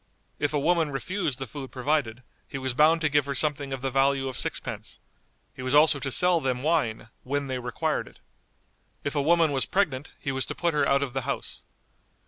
If a woman refused the food provided, he was bound to give her something of the value of sixpence; he was also to sell them wine "when they required it." If a woman was pregnant, he was to put her out of the house.